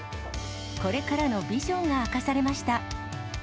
これからのビジョンが明かされました。